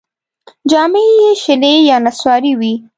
جامې یې شنې یا نسواري وې.